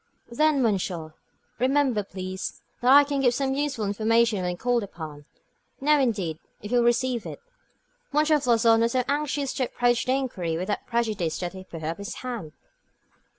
"Then, monsieur, remember, please, that I can give some useful information when called upon. Now, indeed, if you will receive it." M. Floçon was so anxious to approach the inquiry without prejudice that he put up his hand.